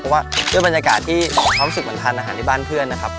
เพราะว่าด้วยบรรยากาศที่เขารู้สึกเหมือนทานอาหารที่บ้านเพื่อนนะครับ